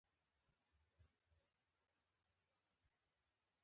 په ګرینلنډ کې زرګونه کلونه واوره ورېدلې ده